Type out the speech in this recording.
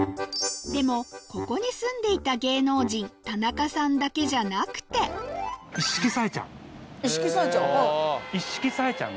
でもここに住んでいた芸能人田中さんだけじゃなくて一色紗英ちゃん。